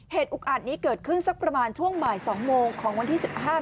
เหตุอุกอัดนี้เกิดขึ้นสักประมาณช่วงบ่ายสองโมงของวันที่สิบห้าม